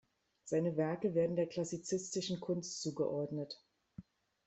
Seine Werke werden der klassizistischen Kunst zugeordnet.